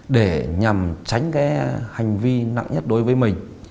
để nhằm tránh cái hành vi nặng nhất đối với mình